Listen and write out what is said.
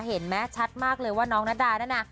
เห็นไหมชัดมากเลยว่าน้องนาดานั่นน่ะ